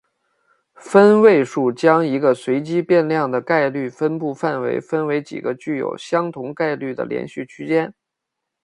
分位数将一个随机变量的概率分布范围分为几个具有相同概率的连续区间。